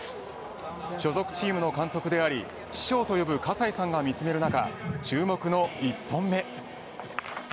所属チームの監督であり師匠と呼ぶ葛西さんが見つめる中注目の１本目。